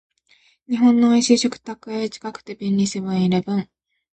日本の美味しい食卓へ、近くて便利、セブンイレブン